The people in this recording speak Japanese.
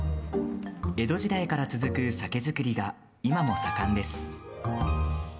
江戸時代から続く酒造りが今も盛んです。